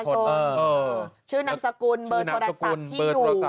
ชื่อนามสกุลเบอร์โทรศัพท์ที่อยู่